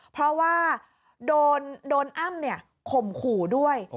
เพราะว่าโดนอ้ำข่มขู่ด้วย